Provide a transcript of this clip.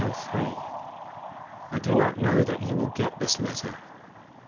[I do not know that you will get this letter.